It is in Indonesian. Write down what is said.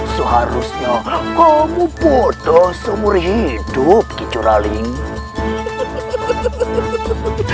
seharusnya kamu bodoh seumur hidup dicurangin